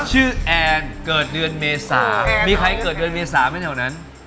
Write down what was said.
แอนเกิดเดือนเมษามีใครเกิดเดือนเมษาไหมแถวนั้น